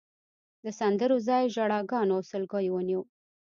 د سندرو ځای ژړاګانو او سلګیو ونیو.